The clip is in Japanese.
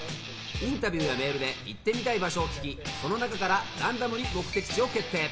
インタビューやメールで行ってみたい場所を聞きその中からランダムに目的地を決定。